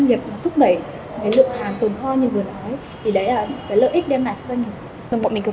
thì đấy là cái lợi ích đem lại cho doanh nghiệp